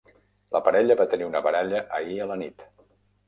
La parella va tenir una baralla ahir a la nit.